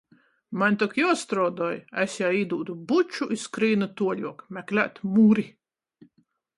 Maņ tok juostruodoj! es jai īdūdu buču i skrīnu tuoļuok meklēt Muri.